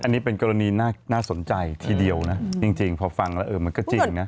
อันนี้เป็นกรณีน่าสนใจทีเดียวนะจริงพอฟังแล้วเออมันก็จริงนะ